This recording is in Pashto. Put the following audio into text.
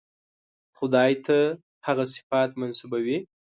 خدای ته هغه صفات منسوبوي.